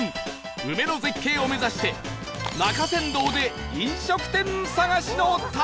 梅の絶景を目指して中山道で飲食店探しの旅へ！